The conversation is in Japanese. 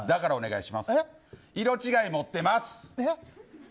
だからお願いします。